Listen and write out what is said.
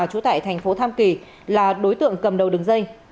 chủ tại thành phố tham kỳ là đối tượng cầm đầu đường dây